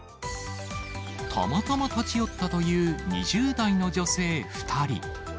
たまたま立ち寄ったという２０代の女性２人。